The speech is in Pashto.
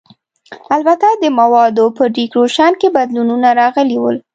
البته د موادو په ډیکورېشن کې بدلونونه راغلي ول.